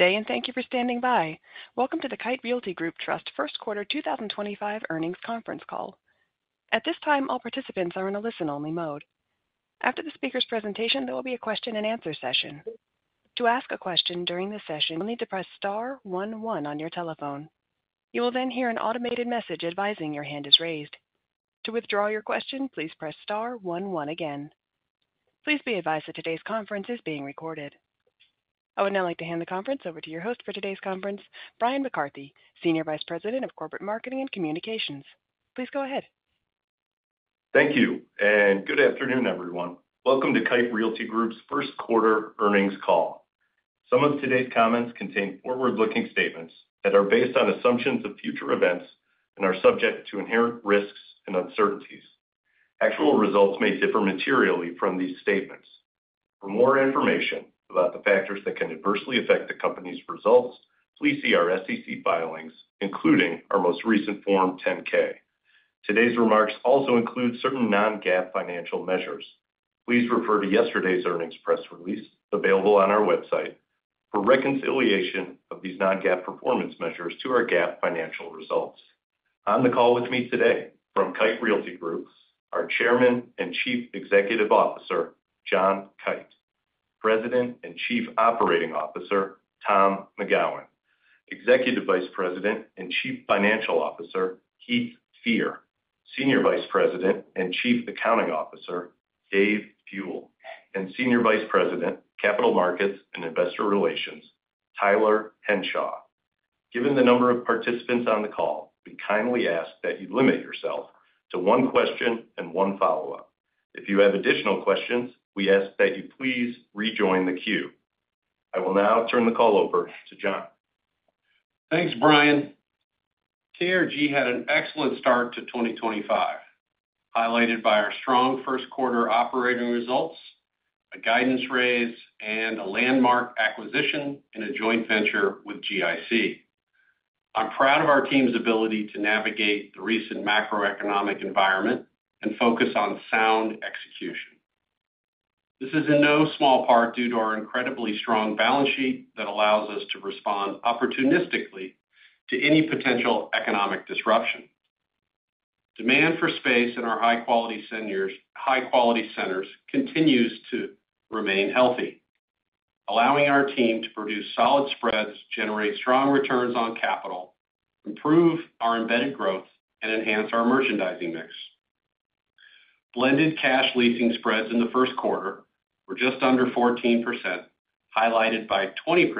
Today, and thank you for standing by. Welcome to the Kite Realty Group Trust First Quarter 2025 earnings conference call. At this time, all participants are in a listen-only mode. After the speaker's presentation, there will be a question-and-answer session. To ask a question during the session, you'll need to press star one-one on your telephone. You will then hear an automated message advising your hand is raised. To withdraw your question, please press star one-one again. Please be advised that today's conference is being recorded. I would now like to hand the conference over to your host for today's conference, Bryan McCarthy, Senior Vice President of Corporate Marketing and Communications. Please go ahead. Thank you, and good afternoon, everyone. Welcome to Kite Realty Group's First Quarter earnings call. Some of today's comments contain forward-looking statements that are based on assumptions of future events and are subject to inherent risks and uncertainties. Actual results may differ materially from these statements. For more information about the factors that can adversely affect the company's results, please see our SEC filings, including our most recent Form 10-K. Today's remarks also include certain non-GAAP financial measures. Please refer to yesterday's earnings press release available on our website for reconciliation of these non-GAAP performance measures to our GAAP financial results. On the call with me today from Kite Realty Group are Chairman and Chief Executive Officer John Kite, President and Chief Operating Officer Thomas McGowan, Executive Vice President and Chief Financial Officer Heath Fear, Senior Vice President and Chief Accounting Officer Dave Buell, and Senior Vice President, Capital Markets and Investor Relations, Tyler Henshaw. Given the number of participants on the call, we kindly ask that you limit yourself to one question and one follow-up. If you have additional questions, we ask that you please rejoin the queue. I will now turn the call over to John. Thanks, Bryan. KRG had an excellent start to 2025, highlighted by our strong first quarter operating results, a guidance raise, and a landmark acquisition in a joint venture with GIC. I'm proud of our team's ability to navigate the recent macroeconomic environment and focus on sound execution. This is in no small part due to our incredibly strong balance sheet that allows us to respond opportunistically to any potential economic disruption. Demand for space in our high-quality centers continues to remain healthy, allowing our team to produce solid spreads, generate strong returns on capital, improve our embedded growth, and enhance our merchandising mix. Blended cash leasing spreads in the first quarter were just under 14%, highlighted by 20%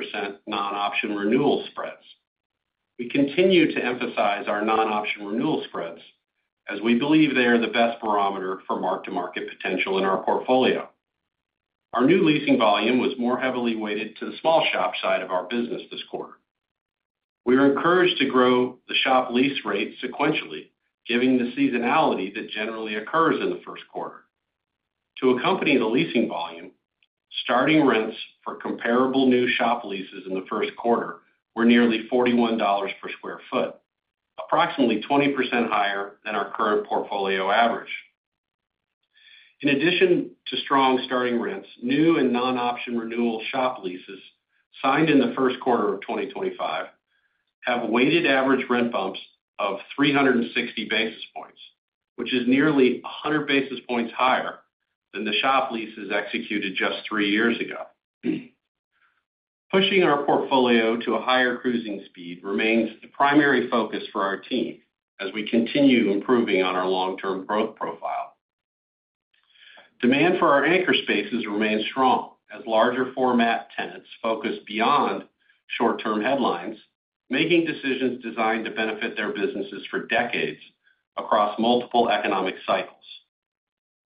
non-option renewal spreads. We continue to emphasize our non-option renewal spreads as we believe they are the best barometer for mark-to-market potential in our portfolio. Our new leasing volume was more heavily weighted to the small shop side of our business this quarter. We were encouraged to grow the shop lease rate sequentially, given the seasonality that generally occurs in the first quarter. To accompany the leasing volume, starting rents for comparable new shop leases in the first quarter were nearly $41 per sq ft, approximately 20% higher than our current portfolio average. In addition to strong starting rents, new and non-option renewal shop leases signed in the first quarter of 2025 have weighted average rent bumps of 360 basis points, which is nearly 100 basis points higher than the shop leases executed just three years ago. Pushing our portfolio to a higher cruising speed remains the primary focus for our team as we continue improving on our long-term growth profile. Demand for our anchor spaces remains strong as larger format tenants focus beyond short-term headlines, making decisions designed to benefit their businesses for decades across multiple economic cycles.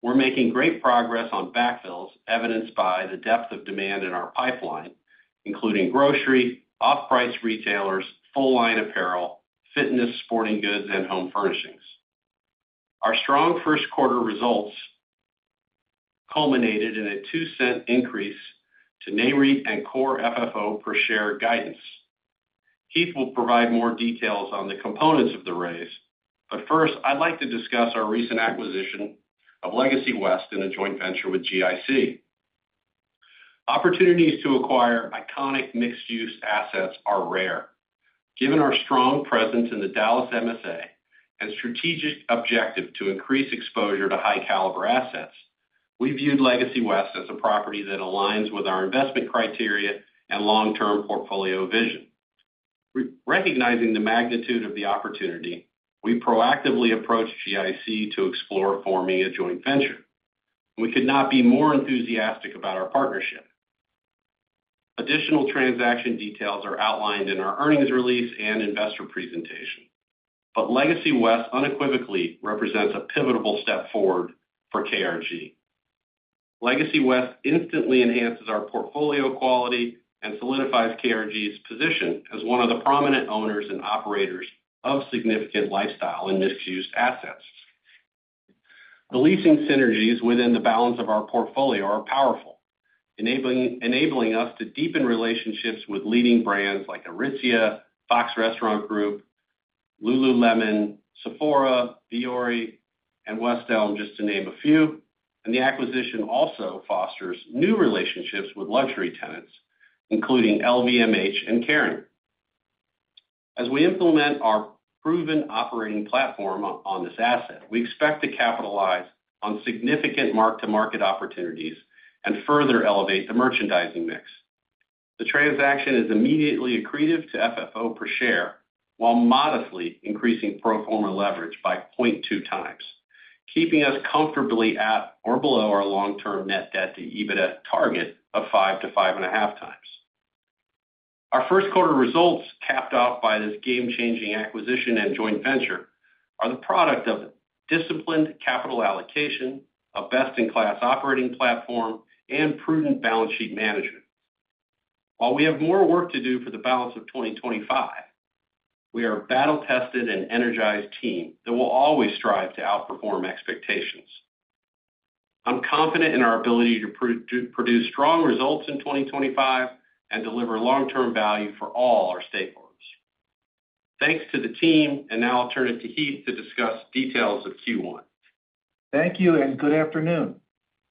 We're making great progress on backfills, evidenced by the depth of demand in our pipeline, including grocery, off-price retailers, full-line apparel, fitness, sporting goods, and home furnishings. Our strong first quarter results culminated in a $0.02 increase to NAREIT and core FFO per share guidance. Heath will provide more details on the components of the raise, but first, I'd like to discuss our recent acquisition of Legacy West in a joint venture with GIC. Opportunities to acquire iconic mixed-use assets are rare. Given our strong presence in the Dallas MSA and strategic objective to increase exposure to high-caliber assets, we viewed Legacy West as a property that aligns with our investment criteria and long-term portfolio vision. Recognizing the magnitude of the opportunity, we proactively approached GIC to explore forming a joint venture. We could not be more enthusiastic about our partnership. Additional transaction details are outlined in our earnings release and investor presentation, but Legacy West unequivocally represents a pivotal step forward for KRG. Legacy West instantly enhances our portfolio quality and solidifies KRG's position as one of the prominent owners and operators of significant lifestyle and mixed-use assets. The leasing synergies within the balance of our portfolio are powerful, enabling us to deepen relationships with leading brands like Aritzia, Fox Restaurant Group, Lululemon, Sephora, Vuori, and West Elm, just to name a few, and the acquisition also fosters new relationships with luxury tenants, including LVMH and Kering. As we implement our proven operating platform on this asset, we expect to capitalize on significant mark-to-market opportunities and further elevate the merchandising mix. The transaction is immediately accretive to FFO per share while modestly increasing pro forma leverage by 0.2 times, keeping us comfortably at or below our long-term net debt-to-EBITDA target of 5-5.5 times. Our first quarter results, capped off by this game-changing acquisition and joint venture, are the product of disciplined capital allocation, a best-in-class operating platform, and prudent balance sheet management. While we have more work to do for the balance of 2025, we are a battle-tested and energized team that will always strive to outperform expectations. I'm confident in our ability to produce strong results in 2025 and deliver long-term value for all our stakeholders. Thanks to the team, and now I'll turn it to Heath to discuss details of Q1. Thank you, and good afternoon.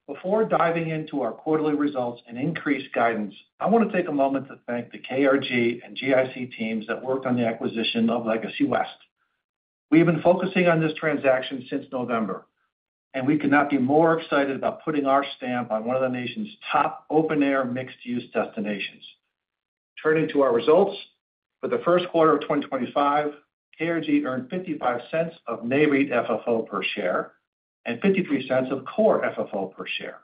Before diving into our quarterly results and increased guidance, I want to take a moment to thank the KRG and GIC teams that worked on the acquisition of Legacy West. We have been focusing on this transaction since November, and we could not be more excited about putting our stamp on one of the nation's top open-air mixed-use destinations. Turning to our results, for the first quarter of 2025, KRG earned $0.55 of Nareit FFO per share and $0.53 of Core FFO per share.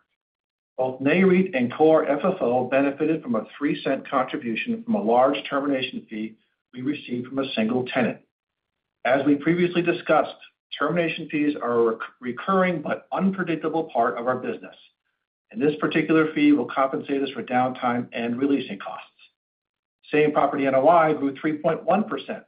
Both Nareit and Core FFO benefited from a $0.03 contribution from a large termination fee we received from a single tenant. As we previously discussed, termination fees are a recurring but unpredictable part of our business, and this particular fee will compensate us for downtime and releasing costs. Same property NOI grew 3.1%,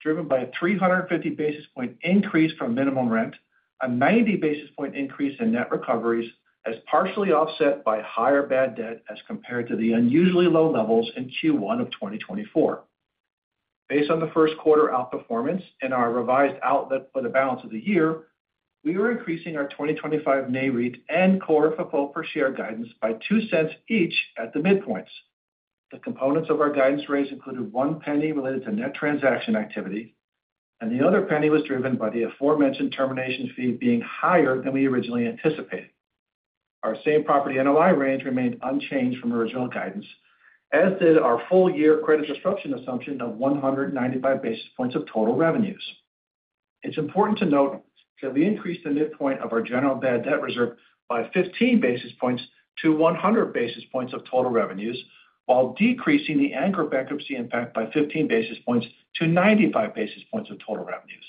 driven by a 350 basis point increase from minimum rent, a 90 basis point increase in net recoveries, as partially offset by higher bad debt as compared to the unusually low levels in Q1 of 2024. Based on the first quarter outperformance and our revised outlook for the balance of the year, we are increasing our 2025 Nareit and Core FFO per share guidance by $0.02 each at the midpoints. The components of our guidance raise included one penny related to net transaction activity, and the other penny was driven by the aforementioned termination fee being higher than we originally anticipated. Our same property NOI range remained unchanged from original guidance, as did our full-year credit disruption assumption of 195 basis points of total revenues. It's important to note that we increased the midpoint of our general bad debt reserve by 15 basis points to 100 basis points of total revenues, while decreasing the anchor bankruptcy impact by 15 basis points to 95 basis points of total revenues.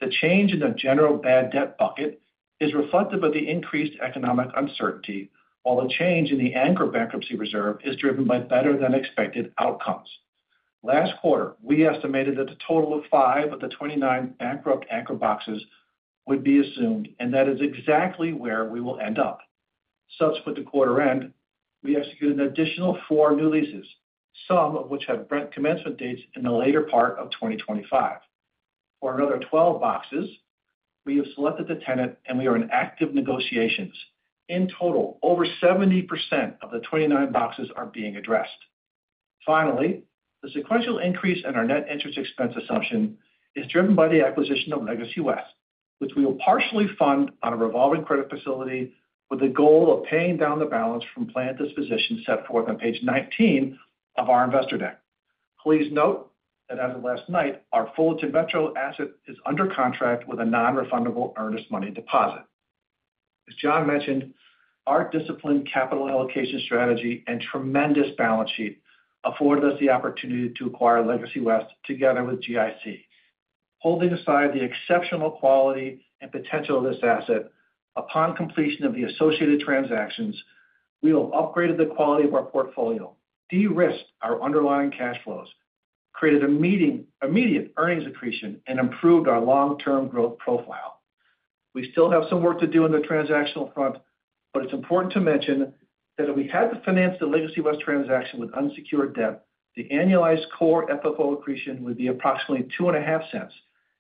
The change in the general bad debt bucket is reflective of the increased economic uncertainty, while the change in the anchor bankruptcy reserve is driven by better-than-expected outcomes. Last quarter, we estimated that the total of five of the 29 bankrupt anchor boxes would be assumed, and that is exactly where we will end up. Subsequent to quarter end, we executed an additional four new leases, some of which have rent commencement dates in the later part of 2025. For another 12 boxes, we have selected the tenant, and we are in active negotiations. In total, over 70% of the 29 boxes are being addressed. Finally, the sequential increase in our net interest expense assumption is driven by the acquisition of Legacy West, which we will partially fund on a revolving credit facility with the goal of paying down the balance from planned disposition set forth on page 19 of our investor deck. Please note that as of last night, our Fullerton Metro asset is under contract with a non-refundable earnest money deposit. As John mentioned, our disciplined capital allocation strategy and tremendous balance sheet afford us the opportunity to acquire Legacy West together with GIC. Holding aside the exceptional quality and potential of this asset, upon completion of the associated transactions, we have upgraded the quality of our portfolio, de-risked our underlying cash flows, created immediate earnings accretion, and improved our long-term growth profile. We still have some work to do on the transactional front, but it's important to mention that if we had to finance the Legacy West transaction with unsecured debt, the annualized core FFO accretion would be approximately $0.025,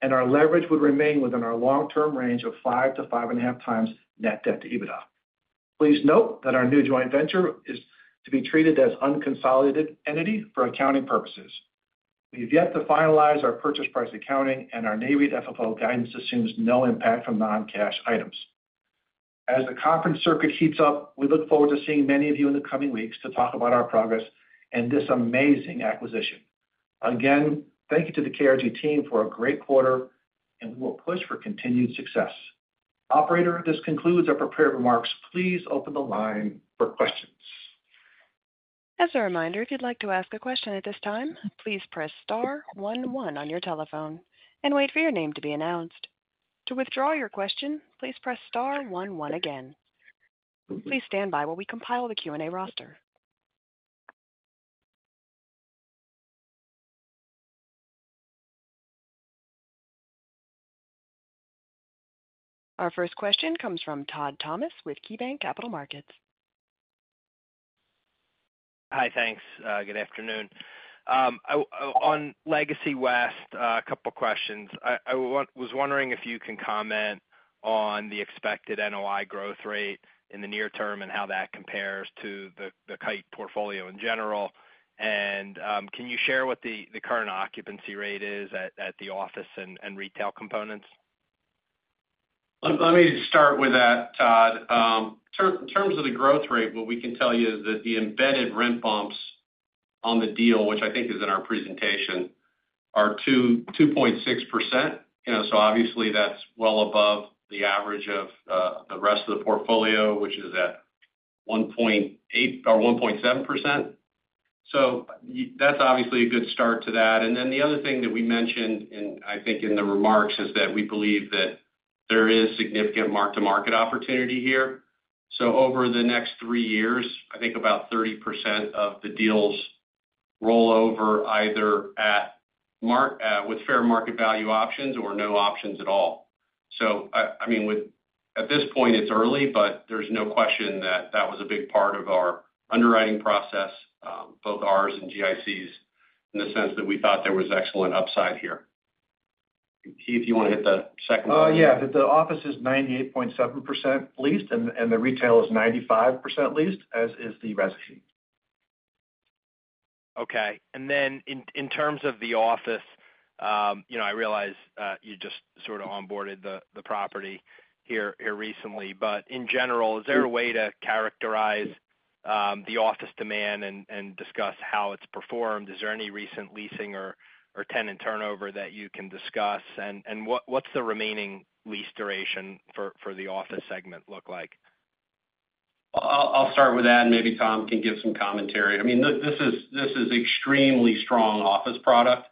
and our leverage would remain within our long-term range of 5-5.5 times net debt-to-EBITDA. Please note that our new joint venture is to be treated as an unconsolidated entity for accounting purposes. We have yet to finalize our purchase price accounting, and our NAREIT FFO guidance assumes no impact from non-cash items. As the conference circuit heats up, we look forward to seeing many of you in the coming weeks to talk about our progress and this amazing acquisition. Again, thank you to the KRG team for a great quarter, and we will push for continued success. Operator, this concludes our prepared remarks. Please open the line for questions. As a reminder, if you'd like to ask a question at this time, please press star 11 on your telephone and wait for your name to be announced. To withdraw your question, please press star 11 again. Please stand by while we compile the Q&A roster. Our first question comes from Todd Thomas with KeyBanc Capital Markets. Hi, thanks. Good afternoon. On Legacy West, a couple of questions. I was wondering if you can comment on the expected NOI growth rate in the near term and how that compares to the Kite portfolio in general. Can you share what the current occupancy rate is at the office and retail components? Let me start with that, Todd. In terms of the growth rate, what we can tell you is that the embedded rent bumps on the deal, which I think is in our presentation, are 2.6%. Obviously, that's well above the average of the rest of the portfolio, which is at 1.8% or 1.7%. That's obviously a good start to that. The other thing that we mentioned, I think, in the remarks is that we believe that there is significant mark-to-market opportunity here. Over the next three years, I think about 30% of the deals roll over either with fair market value options or no options at all. I mean, at this point, it's early, but there's no question that that was a big part of our underwriting process, both ours and GIC's, in the sense that we thought there was excellent upside here. Heath, you want to hit the second one? Yeah. The office is 98.7% leased, and the retail is 95% leased, as is the residency. Okay. In terms of the office, I realize you just sort of onboarded the property here recently, but in general, is there a way to characterize the office demand and discuss how it's performed? Is there any recent leasing or tenant turnover that you can discuss? What does the remaining lease duration for the office segment look like? I'll start with that, and maybe Thomas can give some commentary. I mean, this is extremely strong office product,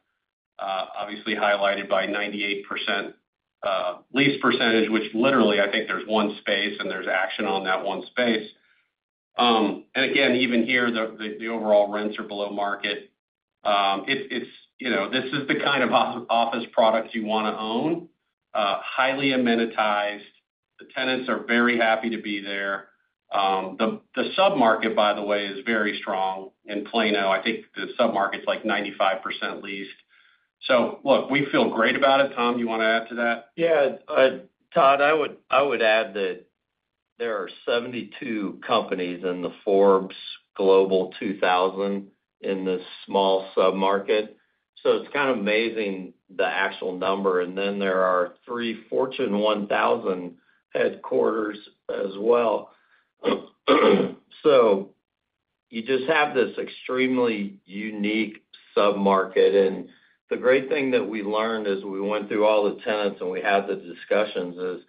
obviously highlighted by 98% lease percentage, which literally, I think there's one space, and there's action on that one space. Again, even here, the overall rents are below market. This is the kind of office product you want to own, highly amenitized. The tenants are very happy to be there. The submarket, by the way, is very strong in Plano. I think the submarket's like 95% leased. We feel great about it. Thomas, you want to add to that? Yeah. Todd, I would add that there are 72 companies in the Forbes Global 2000 in the small submarket. It is kind of amazing, the actual number. There are three Fortune 1000 headquarters as well. You just have this extremely unique submarket. The great thing that we learned as we went through all the tenants and we had the discussions is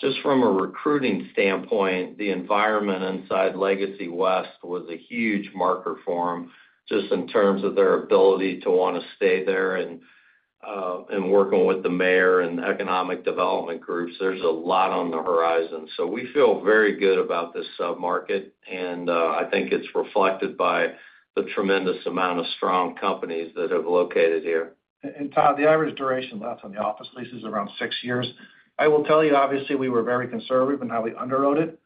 just from a recruiting standpoint, the environment inside Legacy West was a huge marker for them just in terms of their ability to want to stay there and working with the mayor and the economic development groups. There is a lot on the horizon. We feel very good about this submarket, and I think it is reflected by the tremendous amount of strong companies that have located here. Todd, the average duration left on the office lease is around six years. I will tell you, obviously, we were very conservative in how we underwrote it.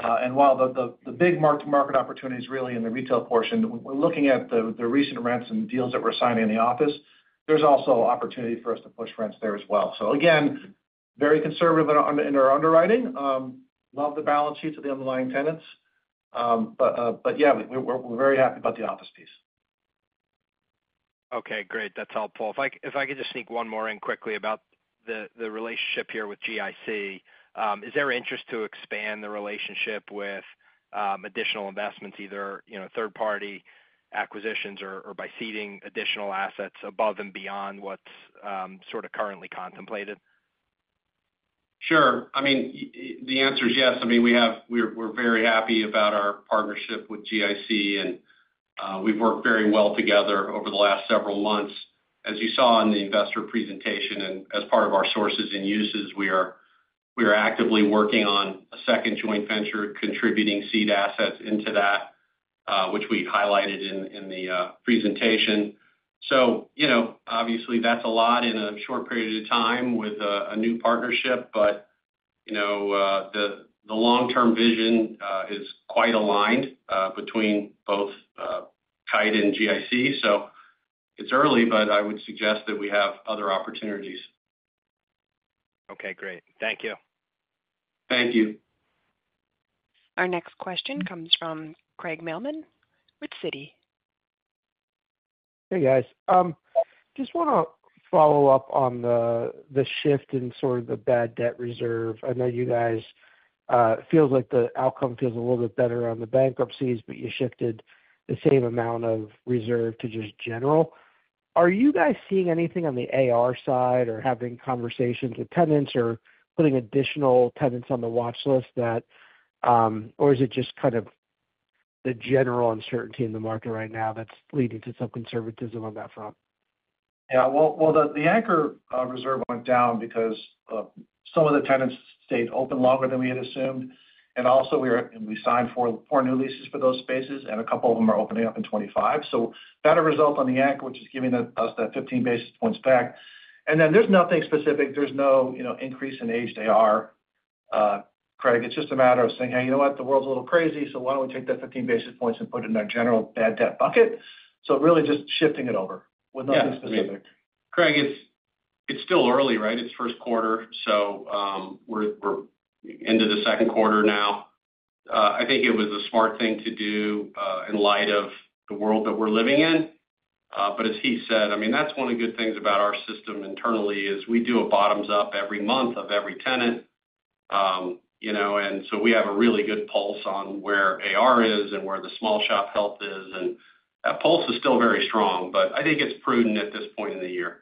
While the big mark-to-market opportunity is really in the retail portion, we're looking at the recent rents and deals that we're signing in the office, there's also opportunity for us to push rents there as well. Again, very conservative in our underwriting. Love the balance sheets of the underlying tenants. Yeah, we're very happy about the office piece. Okay. Great. That's helpful. If I could just sneak one more in quickly about the relationship here with GIC, is there interest to expand the relationship with additional investments, either third-party acquisitions or by seeding additional assets above and beyond what's sort of currently contemplated? Sure. I mean, the answer is yes. I mean, we're very happy about our partnership with GIC, and we've worked very well together over the last several months. As you saw in the investor presentation and as part of our sources and uses, we are actively working on a second joint venture, contributing seed assets into that, which we highlighted in the presentation. Obviously, that's a lot in a short period of time with a new partnership, but the long-term vision is quite aligned between both Kite and GIC. It's early, but I would suggest that we have other opportunities. Okay. Great. Thank you. Thank you. Our next question comes from Craig Mailman with Citi. Hey, guys. Just want to follow up on the shift in sort of the bad debt reserve. I know you guys feel like the outcome feels a little bit better on the bankruptcies, but you shifted the same amount of reserve to just general. Are you guys seeing anything on the AR side or having conversations with tenants or putting additional tenants on the watchlist, or is it just kind of the general uncertainty in the market right now that's leading to some conservatism on that front? Yeah. The anchor reserve went down because some of the tenants stayed open longer than we had assumed. Also, we signed four new leases for those spaces, and a couple of them are opening up in 2025. Better result on the anchor, which is giving us that 15 basis points back. There is nothing specific. There is no increase in aged AR. Craig, it is just a matter of saying, "Hey, you know what? The world's a little crazy, so why do we not take that 15 basis points and put it in our general bad debt bucket?" Really just shifting it over with nothing specific. Craig, it's still early, right? It's first quarter, so we're into the second quarter now. I think it was a smart thing to do in light of the world that we're living in. As he said, I mean, that's one of the good things about our system internally is we do a bottoms-up every month of every tenant. We have a really good pulse on where AR is and where the small shop health is. That pulse is still very strong, but I think it's prudent at this point in the year.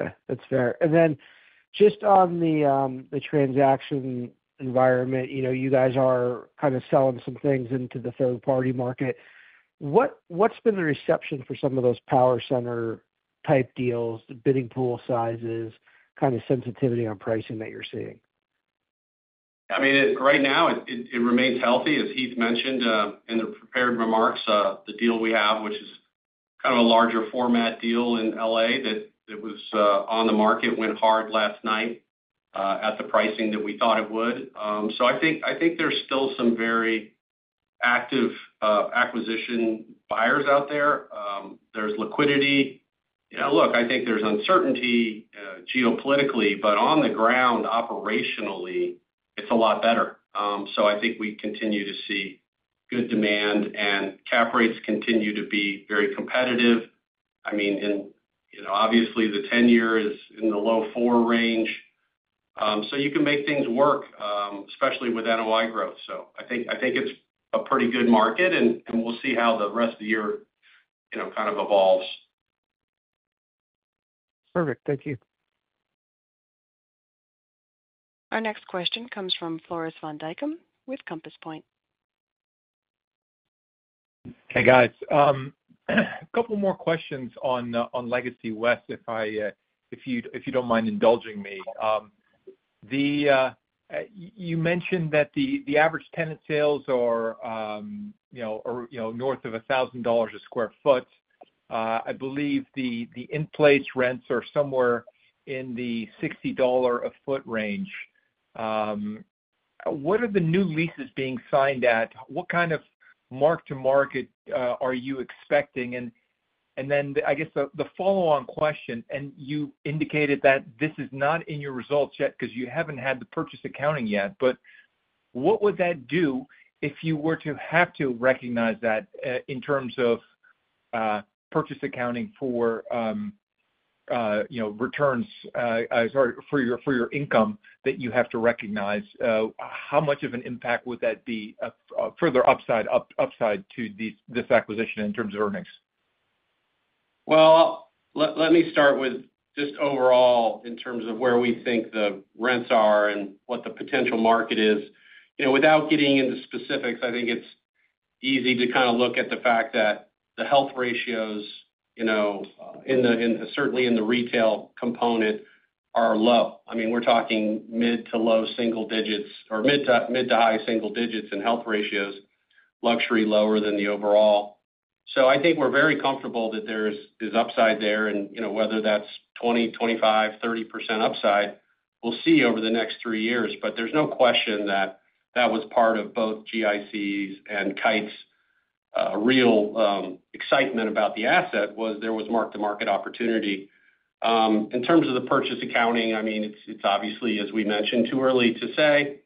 Okay. That's fair. Then just on the transaction environment, you guys are kind of selling some things into the third-party market. What's been the reception for some of those power center type deals, the bidding pool sizes, kind of sensitivity on pricing that you're seeing? I mean, right now, it remains healthy, as Heath mentioned in the prepared remarks. The deal we have, which is kind of a larger format deal in Los Angeles that was on the market, went hard last night at the pricing that we thought it would. I think there's still some very active acquisition buyers out there. There's liquidity. Look, I think there's uncertainty geopolitically, but on the ground, operationally, it's a lot better. I think we continue to see good demand, and cap rates continue to be very competitive. I mean, obviously, the 10-year is in the low four range. You can make things work, especially with NOI growth. I think it's a pretty good market, and we'll see how the rest of the year kind of evolves. Perfect. Thank you. Our next question comes from Floris van Dijkum with Compass Point. Hey, guys. A couple more questions on Legacy West, if you do not mind indulging me. You mentioned that the average tenant sales are north of $1,000 a sq ft. I believe the in-place rents are somewhere in the $60 a sq ft range. What are the new leases being signed at? What kind of mark-to-market are you expecting? I guess the follow-on question, you indicated that this is not in your results yet because you have not had the purchase accounting yet, but what would that do if you were to have to recognize that in terms of purchase accounting for returns for your income that you have to recognize? How much of an impact would that be further upside to this acquisition in terms of earnings? Let me start with just overall in terms of where we think the rents are and what the potential market is. Without getting into specifics, I think it's easy to kind of look at the fact that the health ratios, certainly in the retail component, are low. I mean, we're talking mid to low single digits or mid to high single digits in health ratios, luxury lower than the overall. I think we're very comfortable that there is upside there, and whether that's 20%, 25%, 30% upside, we'll see over the next three years. There is no question that that was part of both GIC's and Kite's real excitement about the asset was there was mark-to-market opportunity. In terms of the purchase accounting, I mean, it's obviously, as we mentioned, too early to say.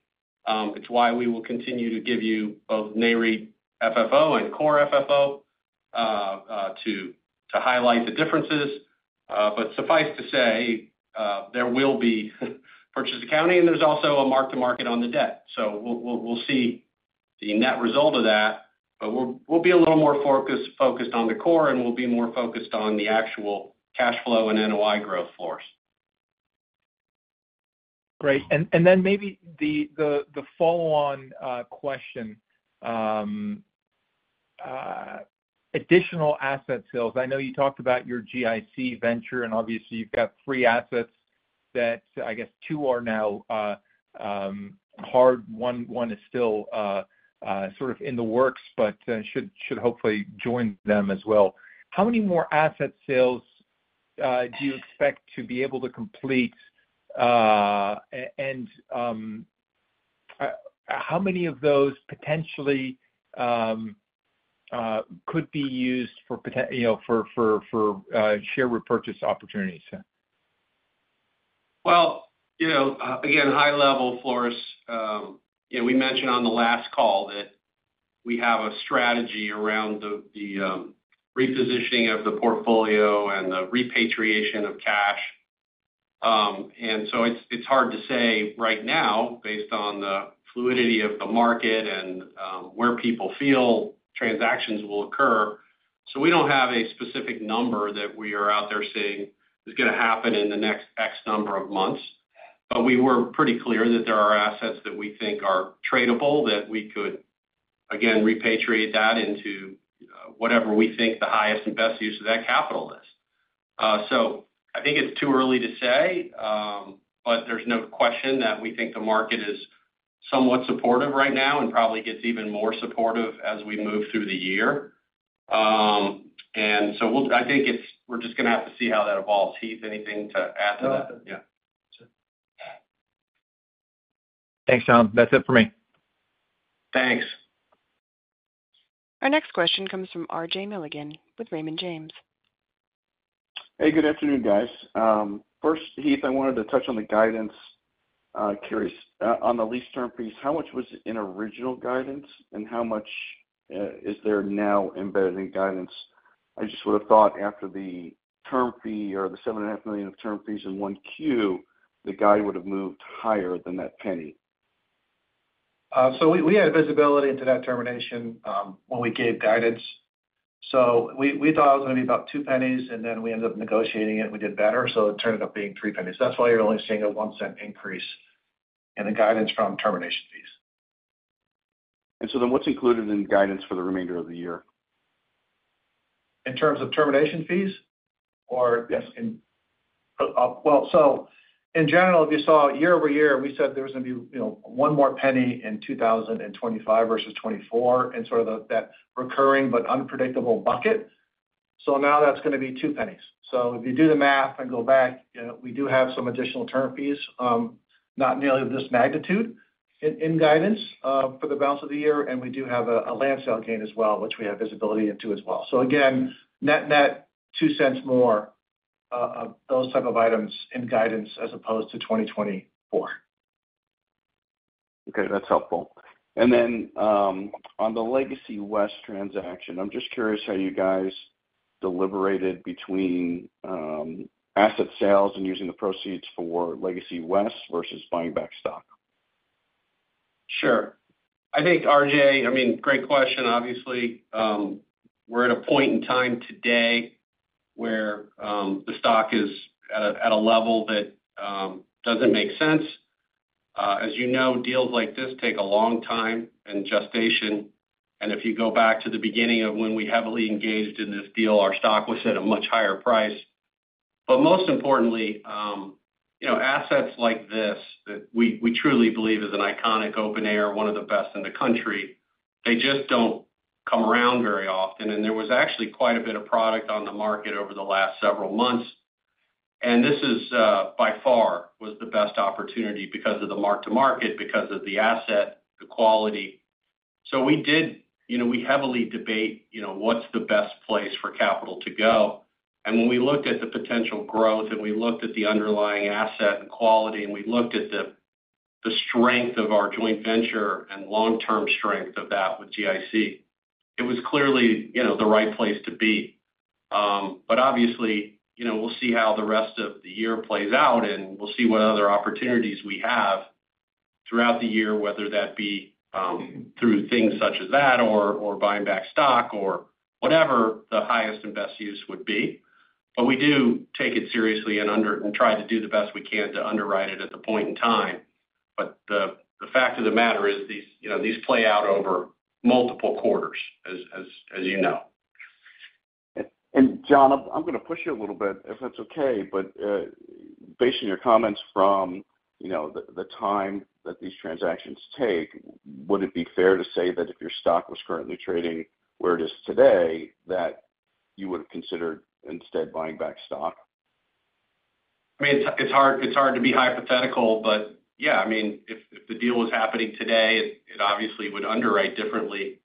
It's why we will continue to give you both NAREIT FFO and Core FFO to highlight the differences. Suffice to say, there will be purchase accounting, and there's also a mark-to-market on the debt. We'll see the net result of that, but we'll be a little more focused on the core, and we'll be more focused on the actual cash flow and NOI growth for us. Great. Maybe the follow-on question, additional asset sales. I know you talked about your GIC venture, and obviously, you've got three assets that I guess two are now hard. One is still sort of in the works, but should hopefully join them as well. How many more asset sales do you expect to be able to complete? How many of those potentially could be used for share repurchase opportunities? Again, high-level, Flores, we mentioned on the last call that we have a strategy around the repositioning of the portfolio and the repatriation of cash. It is hard to say right now, based on the fluidity of the market and where people feel transactions will occur. We do not have a specific number that we are out there saying is going to happen in the next X number of months. We were pretty clear that there are assets that we think are tradable, that we could, again, repatriate that into whatever we think the highest and best use of that capital is. I think it is too early to say, but there is no question that we think the market is somewhat supportive right now and probably gets even more supportive as we move through the year. I think we're just going to have to see how that evolves. Heath, anything to add to that? Nothing. Yeah. Thanks, Thomas. That's it for me. Thanks. Our next question comes from RJ Milligan with Raymond James. Hey, good afternoon, guys. First, Heath, I wanted to touch on the guidance on the lease term fees. How much was in original guidance, and how much is there now embedded in guidance? I just would have thought after the term fee or the $7.5 million of term fees in one Q, the guide would have moved higher than that penny. We had visibility into that termination when we gave guidance. We thought it was going to be about two pennies, and then we ended up negotiating it. We did better, so it turned out being three pennies. That's why you're only seeing a 1 cent increase in the guidance from termination fees. What's included in guidance for the remainder of the year? In terms of termination fees? Yes. In general, if you saw year over year, we said there was going to be one more penny in 2025 versus 2024 in sort of that recurring but unpredictable bucket. Now that's going to be two pennies. If you do the math and go back, we do have some additional term fees, not nearly this magnitude, in guidance for the balance of the year. We do have a land sale gain as well, which we have visibility into as well. Net net, two cents more of those type of items in guidance as opposed to 2024. Okay. That's helpful. On the Legacy West transaction, I'm just curious how you guys deliberated between asset sales and using the proceeds for Legacy West versus buying back stock. Sure. I think RJ, I mean, great question. Obviously, we're at a point in time today where the stock is at a level that doesn't make sense. As you know, deals like this take a long time and gestation. If you go back to the beginning of when we heavily engaged in this deal, our stock was at a much higher price. Most importantly, assets like this that we truly believe is an iconic open-air, one of the best in the country, they just don't come around very often. There was actually quite a bit of product on the market over the last several months. This is by far the best opportunity because of the mark-to-market, because of the asset, the quality. We heavily debate what's the best place for capital to go. When we looked at the potential growth and we looked at the underlying asset and quality and we looked at the strength of our joint venture and long-term strength of that with GIC, it was clearly the right place to be. Obviously, we'll see how the rest of the year plays out, and we'll see what other opportunities we have throughout the year, whether that be through things such as that or buying back stock or whatever the highest and best use would be. We do take it seriously and try to do the best we can to underwrite it at the point in time. The fact of the matter is these play out over multiple quarters, as you know. John, I'm going to push you a little bit, if that's okay. Based on your comments from the time that these transactions take, would it be fair to say that if your stock was currently trading where it is today, that you would have considered instead buying back stock? I mean, it's hard to be hypothetical, but yeah. I mean, if the deal was happening today, it obviously would underwrite differently.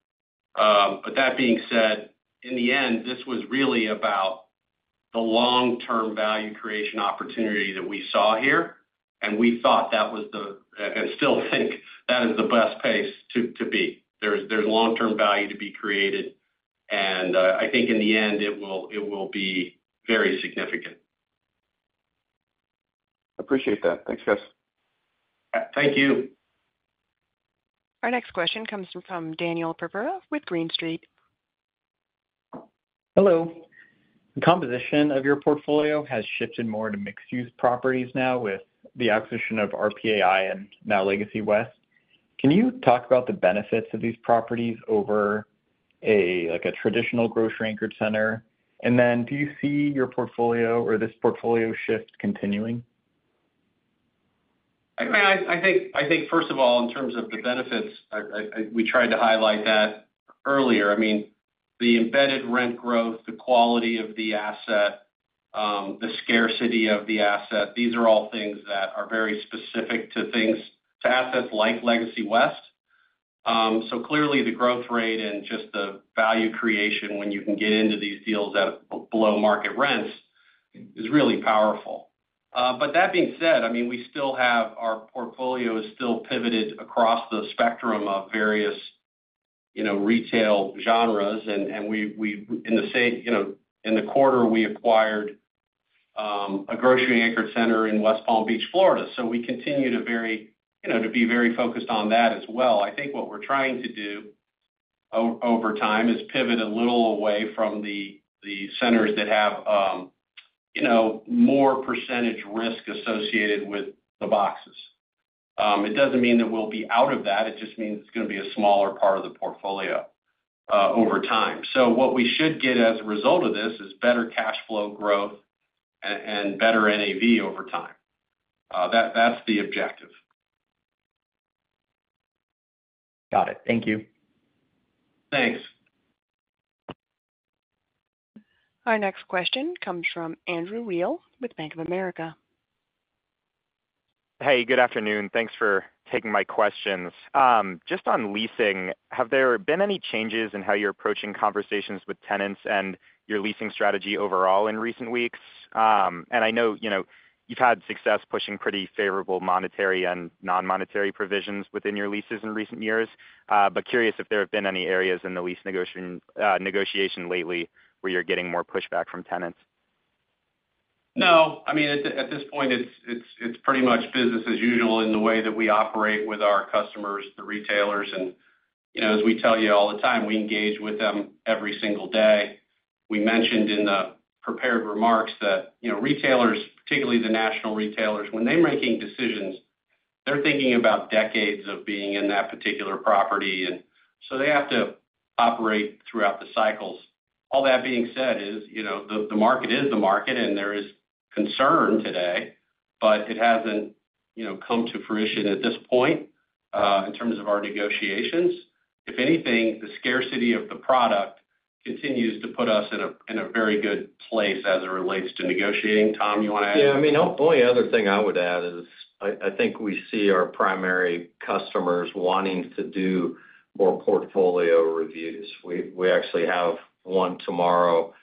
That being said, in the end, this was really about the long-term value creation opportunity that we saw here. We thought that was the and still think that is the best pace to be. There's long-term value to be created. I think in the end, it will be very significant. Appreciate that. Thanks, guys. Thank you. Our next question comes from Daniel Purpura with Green Street. Hello. The composition of your portfolio has shifted more to mixed-use properties now with the acquisition of RPAI and now Legacy West. Can you talk about the benefits of these properties over a traditional grocery-anchored center? Do you see your portfolio or this portfolio shift continuing? I mean, I think, first of all, in terms of the benefits, we tried to highlight that earlier. I mean, the embedded rent growth, the quality of the asset, the scarcity of the asset, these are all things that are very specific to assets like Legacy West. Clearly, the growth rate and just the value creation when you can get into these deals at below market rents is really powerful. That being said, I mean, we still have our portfolio is still pivoted across the spectrum of various retail genres. In the quarter, we acquired a grocery-anchored center in West Palm Beach, Florida. We continue to be very focused on that as well. I think what we're trying to do over time is pivot a little away from the centers that have more percentage risk associated with the boxes. It does not mean that we will be out of that. It just means it is going to be a smaller part of the portfolio over time. What we should get as a result of this is better cash flow growth and better NAV over time. That is the objective. Got it. Thank you. Thanks. Our next question comes from Andrew Wheel with Bank of America. Hey, good afternoon. Thanks for taking my questions. Just on leasing, have there been any changes in how you're approaching conversations with tenants and your leasing strategy overall in recent weeks? I know you've had success pushing pretty favorable monetary and non-monetary provisions within your leases in recent years, but curious if there have been any areas in the lease negotiation lately where you're getting more pushback from tenants. No. I mean, at this point, it's pretty much business as usual in the way that we operate with our customers, the retailers. As we tell you all the time, we engage with them every single day. We mentioned in the prepared remarks that retailers, particularly the national retailers, when they're making decisions, they're thinking about decades of being in that particular property. They have to operate throughout the cycles. All that being said is the market is the market, and there is concern today, but it hasn't come to fruition at this point in terms of our negotiations. If anything, the scarcity of the product continues to put us in a very good place as it relates to negotiating. Thomas, you want to add? Yeah. I mean, the only other thing I would add is I think we see our primary customers wanting to do more portfolio reviews. We actually have one tomorrow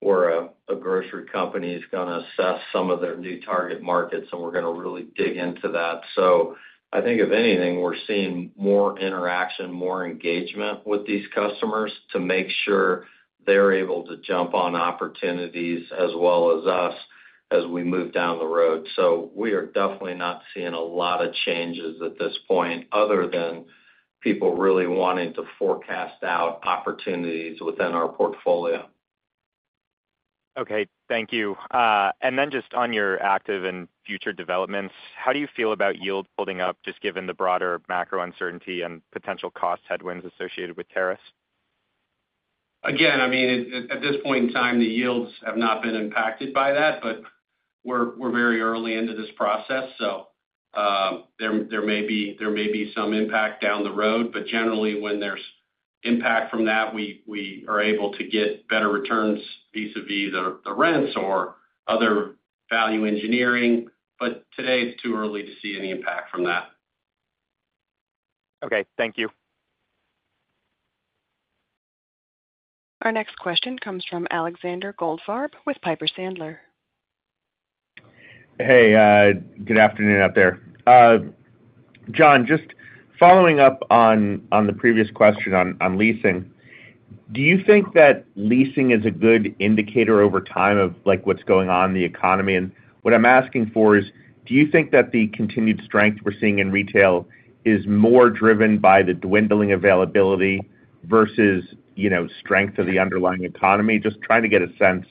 where a grocery company is going to assess some of their new target markets, and we're going to really dig into that. I think, if anything, we're seeing more interaction, more engagement with these customers to make sure they're able to jump on opportunities as well as us as we move down the road. We are definitely not seeing a lot of changes at this point other than people really wanting to forecast out opportunities within our portfolio. Okay. Thank you. Just on your active and future developments, how do you feel about yields holding up just given the broader macro uncertainty and potential cost headwinds associated with tariffs? Again, I mean, at this point in time, the yields have not been impacted by that, but we're very early into this process. There may be some impact down the road. Generally, when there's impact from that, we are able to get better returns vis-à-vis the rents or other value engineering. Today, it's too early to see any impact from that. Okay. Thank you. Our next question comes from Alexander Goldfarb with Piper Sandler. Hey, good afternoon out there. John, just following up on the previous question on leasing, do you think that leasing is a good indicator over time of what's going on in the economy? What I'm asking for is, do you think that the continued strength we're seeing in retail is more driven by the dwindling availability versus strength of the underlying economy? Just trying to get a sense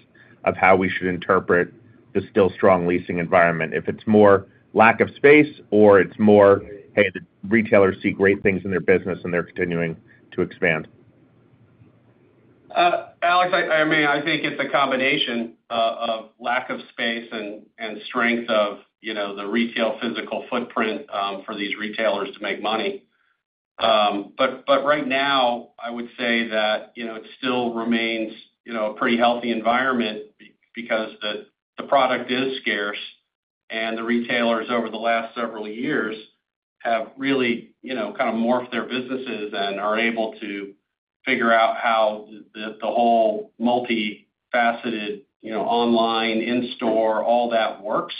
of how we should interpret the still strong leasing environment. If it's more lack of space or it's more, hey, the retailers see great things in their business and they're continuing to expand. Alex, I mean, I think it's a combination of lack of space and strength of the retail physical footprint for these retailers to make money. Right now, I would say that it still remains a pretty healthy environment because the product is scarce, and the retailers over the last several years have really kind of morphed their businesses and are able to figure out how the whole multifaceted online, in-store, all that works.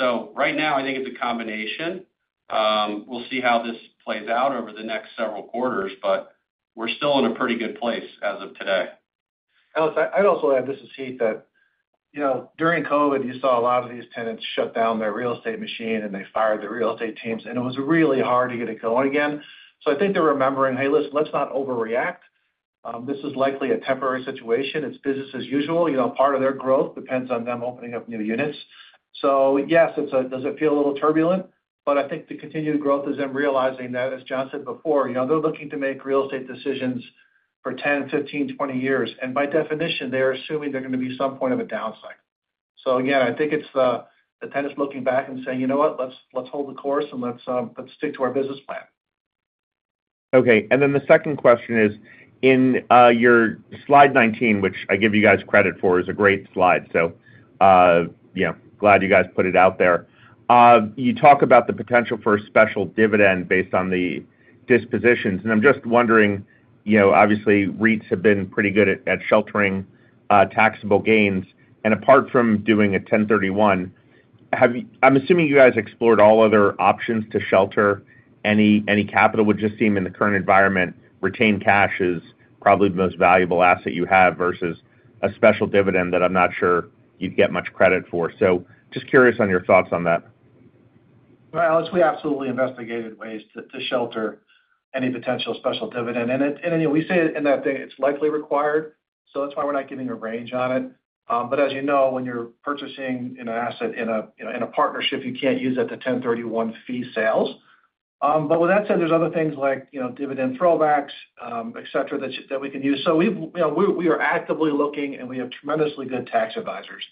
Right now, I think it's a combination. We'll see how this plays out over the next several quarters, but we're still in a pretty good place as of today. Alex, I'd also add this is Heath that during COVID, you saw a lot of these tenants shut down their real estate machine, and they fired the real estate teams. It was really hard to get it going again. I think they're remembering, hey, listen, let's not overreact. This is likely a temporary situation. It's business as usual. Part of their growth depends on them opening up new units. Yes, it does feel a little turbulent, but I think the continued growth is them realizing that, as John said before, they're looking to make real estate decisions for 10, 15, 20 years. By definition, they're assuming there's going to be some point of a downside. I think it's the tenants looking back and saying, you know what, let's hold the course and let's stick to our business plan. Okay. Then the second question is, in your slide 19, which I give you guys credit for, is a great slide. Yeah, glad you guys put it out there. You talk about the potential for a special dividend based on the dispositions. I'm just wondering, obviously, REITs have been pretty good at sheltering taxable gains. Apart from doing a 1031, I'm assuming you guys explored all other options to shelter. Any capital would just seem in the current environment, retained cash is probably the most valuable asset you have versus a special dividend that I'm not sure you'd get much credit for. Just curious on your thoughts on that. Alex, we absolutely investigated ways to shelter any potential special dividend. We say in that it's likely required, so that's why we're not giving a range on it. As you know, when you're purchasing an asset in a partnership, you can't use it to 1031 fee sales. With that said, there's other things like dividend throwbacks, etc., that we can use. We are actively looking, and we have tremendously good tax advisors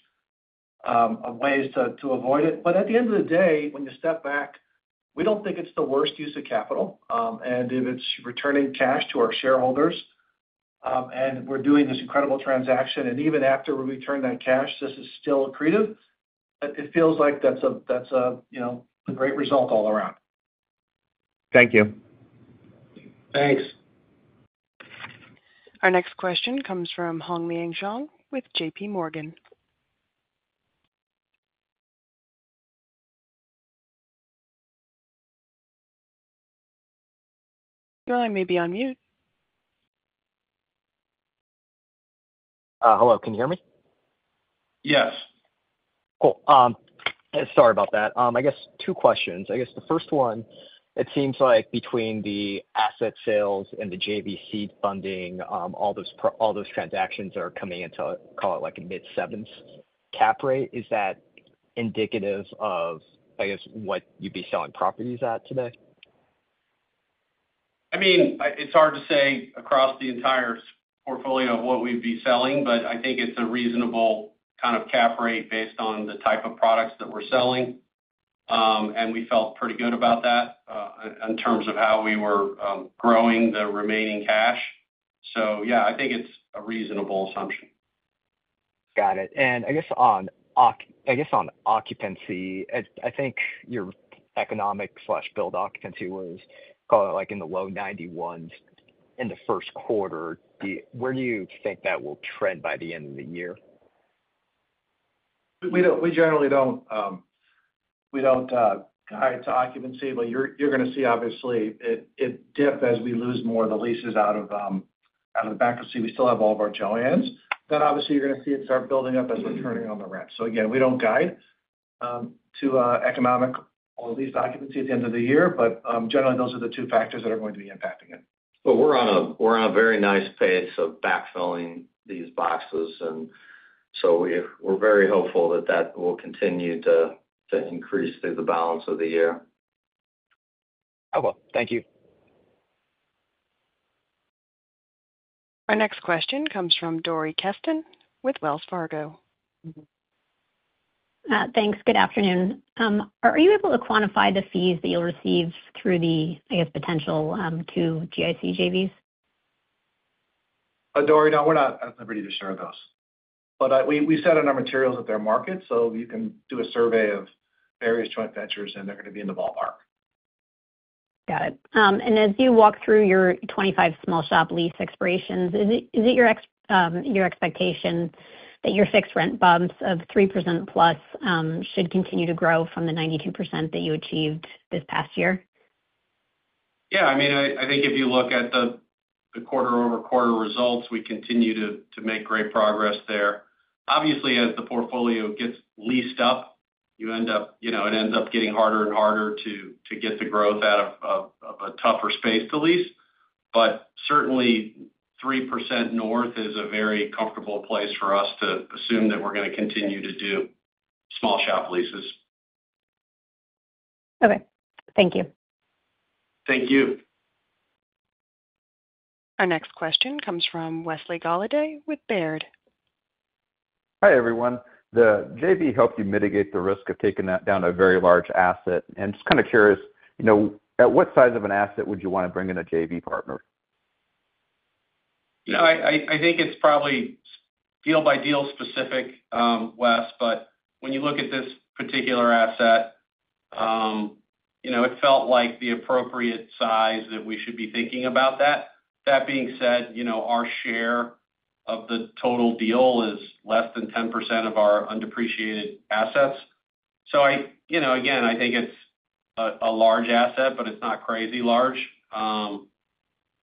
on ways to avoid it. At the end of the day, when you step back, we don't think it's the worst use of capital. If it's returning cash to our shareholders and we're doing this incredible transaction, and even after we return that cash, this is still accretive, it feels like that's a great result all around. Thank you. Thanks. Our next question comes from Hongliang Zhang with JP Morgan. You're on mute. Hello. Can you hear me? Yes. Cool. Sorry about that. I guess two questions. I guess the first one, it seems like between the asset sales and the JVC funding, all those transactions are coming into a, call it like a mid-sevens cap rate. Is that indicative of, I guess, what you'd be selling properties at today? I mean, it's hard to say across the entire portfolio what we'd be selling, but I think it's a reasonable kind of cap rate based on the type of products that we're selling. We felt pretty good about that in terms of how we were growing the remaining cash. I think it's a reasonable assumption. Got it. I guess on occupancy, I think your economic/build occupancy was, call it like in the low 91s in the first quarter. Where do you think that will trend by the end of the year? We generally don't guide to occupancy, but you're going to see, obviously, it dip as we lose more of the leases out of the back of the seat. We still have all of our JOANN. Obviously, you're going to see it start building up as we're turning on the rent. Again, we don't guide to economic or lease occupancy at the end of the year, but generally, those are the two factors that are going to be impacting it. We're on a very nice pace of backfilling these boxes. And we're very hopeful that that will continue to increase through the balance of the year. Oh, thank you. Our next question comes from Dory Kesten with Wells Fargo. Thanks. Good afternoon. Are you able to quantify the fees that you'll receive through the, I guess, potential two GIC JVs? Dory, no, we're not at liberty to share those. We set on our materials that they're market, so you can do a survey of various joint ventures, and they're going to be in the ballpark. Got it. As you walk through your 25 small-shop lease expirations, is it your expectation that your fixed rent bumps of 3% plus should continue to grow from the 92% that you achieved this past year? Yeah. I mean, I think if you look at the quarter-over-quarter results, we continue to make great progress there. Obviously, as the portfolio gets leased up, you end up, it ends up getting harder and harder to get the growth out of a tougher space to lease. Certainly, 3% north is a very comfortable place for us to assume that we're going to continue to do small-shop leases. Okay. Thank you. Thank you. Our next question comes from Wesley Golladay with Baird. Hi everyone. The JV helped you mitigate the risk of taking that down a very large asset. Just kind of curious, at what size of an asset would you want to bring in a JV partner? I think it's probably deal-by-deal specific, Wes. When you look at this particular asset, it felt like the appropriate size that we should be thinking about that. That being said, our share of the total deal is less than 10% of our undepreciated assets. Again, I think it's a large asset, but it's not crazy large.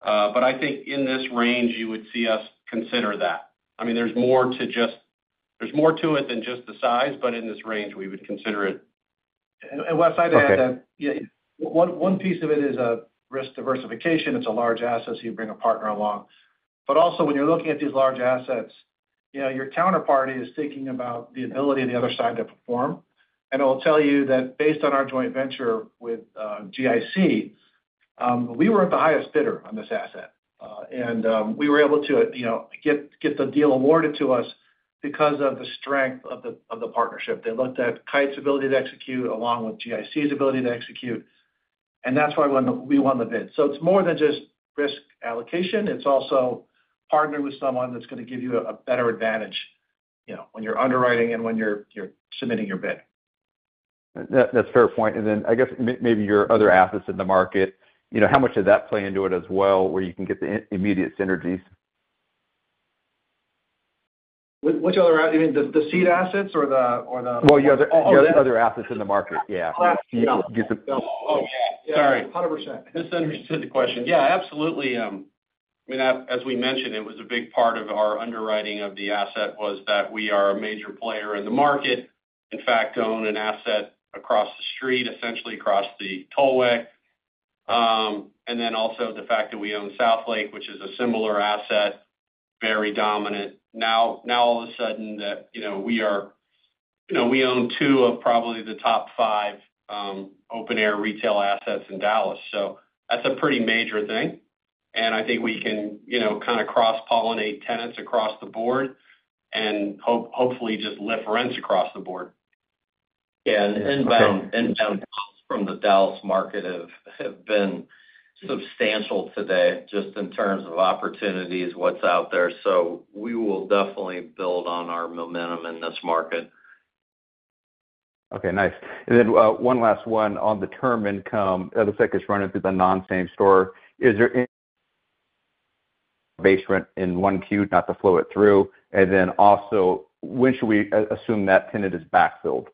I think in this range, you would see us consider that. I mean, there's more to it than just the size, but in this range, we would consider it. Wes, I'd add that one piece of it is risk diversification. It's a large asset, so you bring a partner along. Also, when you're looking at these large assets, your counterparty is thinking about the ability of the other side to perform. I will tell you that based on our joint venture with GIC, we were the highest bidder on this asset. We were able to get the deal awarded to us because of the strength of the partnership. They looked at Kite's ability to execute along with GIC's ability to execute. That is why we won the bid. It is more than just risk allocation. It is also partnering with someone that is going to give you a better advantage when you're underwriting and when you're submitting your bid. That's a fair point. I guess maybe your other assets in the market, how much does that play into it as well where you can get the immediate synergies? Which other asset? You mean the seed assets or the? The other assets in the market. Yeah. Oh, yeah. Sorry. 100%. Misunderstood the question. Yeah, absolutely. I mean, as we mentioned, it was a big part of our underwriting of the asset was that we are a major player in the market. In fact, own an asset across the street, essentially across the Tollway. Also the fact that we own Southlake, which is a similar asset, very dominant. Now, all of a sudden, we own two of probably the top five open-air retail assets in Dallas. That is a pretty major thing. I think we can kind of cross-pollinate tenants across the board and hopefully just lift rents across the board. Yeah. Inbound calls from the Dallas market have been substantial today just in terms of opportunities, what's out there. We will definitely build on our momentum in this market. Okay. Nice. One last one on the term income. The second is running through the non-same store. Is there any base rent in one Q not to flow it through? Also, when should we assume that tenant is backfilled?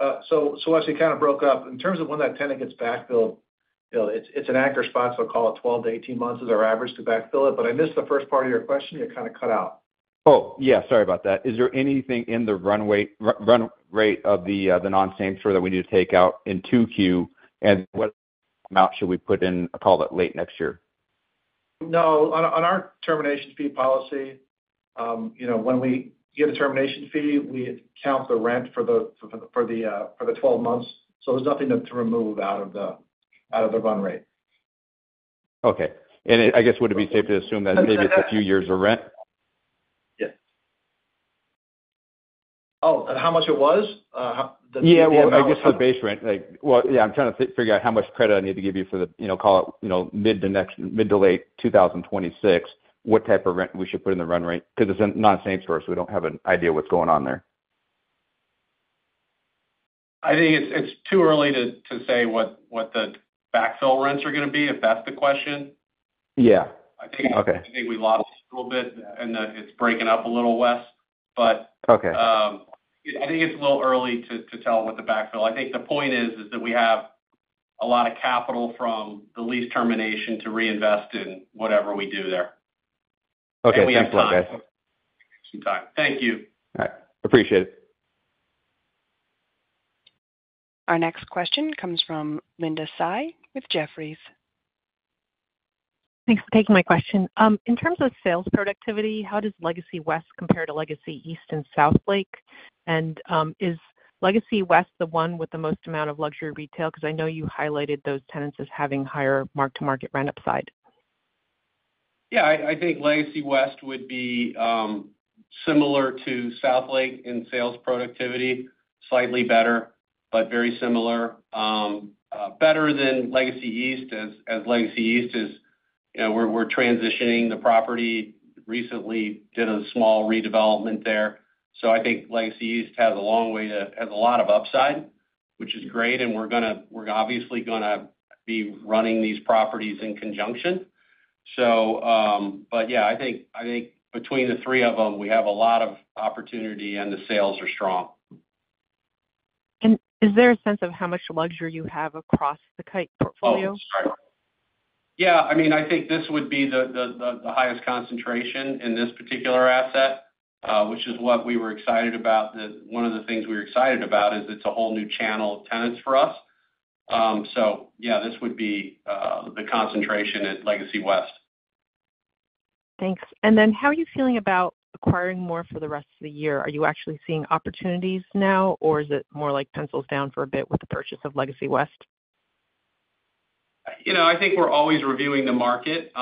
Wes, we kind of broke up. In terms of when that tenant gets backfilled, it's an anchor spot, so call it 12-18 months is our average to backfill it. I missed the first part of your question. You kind of cut out. Oh, yeah. Sorry about that. Is there anything in the run rate of the non-same store that we need to take out in 2Q? And what amount should we put in, call it late next year? No. On our termination fee policy, when we get a termination fee, we count the rent for the 12 months. There is nothing to remove out of the run rate. Okay. I guess would it be safe to assume that maybe it's a few years of rent? Oh, how much was it? Yeah. I guess the base rent. Yeah, I'm trying to figure out how much credit I need to give you for the, call it mid to late 2026, what type of rent we should put in the run rate because it's a non-same store, so we don't have an idea what's going on there. I think it's too early to say what the backfill rents are going to be if that's the question. Yeah. I think we lost a little bit and it's breaking up a little, Wes. I think it's a little early to tell what the backfill is. I think the point is that we have a lot of capital from the lease termination to reinvest in whatever we do there. Okay. Thanks, Wes. Thank you. All right. Appreciate it. Our next question comes from Linda Tsai with Jefferies. Thanks for taking my question. In terms of sales productivity, how does Legacy West compare to Legacy East and Southlake? Is Legacy West the one with the most amount of luxury retail? Because I know you highlighted those tenants as having higher mark-to-market rent upside. Yeah. I think Legacy West would be similar to Southlake in sales productivity, slightly better, but very similar. Better than Legacy East as Legacy East is, we're transitioning the property recently, did a small redevelopment there. I think Legacy East has a long way to, has a lot of upside, which is great. We're obviously going to be running these properties in conjunction. Yeah, I think between the three of them, we have a lot of opportunity and the sales are strong. Is there a sense of how much luxury you have across the Kite portfolio? Yeah. I mean, I think this would be the highest concentration in this particular asset, which is what we were excited about. One of the things we were excited about is it's a whole new channel of tenants for us. Yeah, this would be the concentration at Legacy West. Thanks. How are you feeling about acquiring more for the rest of the year? Are you actually seeing opportunities now, or is it more like pencils down for a bit with the purchase of Legacy West? I think we're always reviewing the market.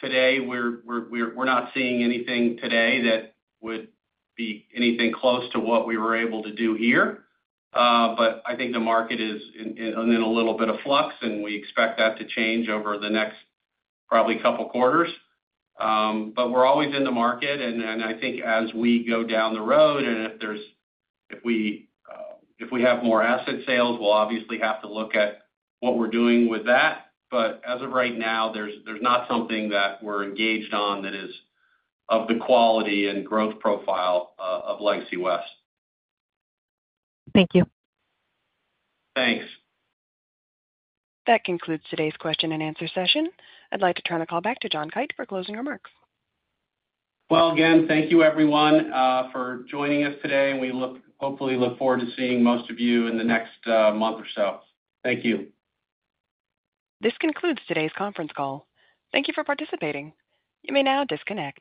Today, we're not seeing anything today that would be anything close to what we were able to do here. I think the market is in a little bit of flux, and we expect that to change over the next probably couple of quarters. We're always in the market. I think as we go down the road, and if we have more asset sales, we'll obviously have to look at what we're doing with that. As of right now, there's not something that we're engaged on that is of the quality and growth profile of Legacy West. Thank you. Thanks. That concludes today's question and answer session. I'd like to turn the call back to John Kite for closing remarks. Thank you, everyone, for joining us today. We hopefully look forward to seeing most of you in the next month or so. Thank you. This concludes today's conference call. Thank you for participating. You may now disconnect.